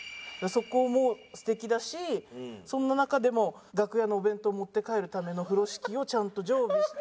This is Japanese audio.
そこも素敵だしそんな中でも楽屋のお弁当持って帰るための風呂敷をちゃんと常備して。